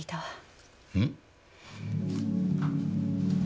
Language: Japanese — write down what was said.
うん？